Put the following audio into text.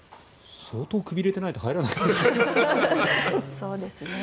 相当くびれてないと入らないですよね。